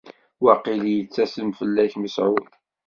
Waqil yettasem fell-ak Mesεud.